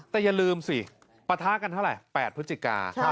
แต่อย่าลืมสิปะทะกันเท่าไหร่๘พฤศจิกา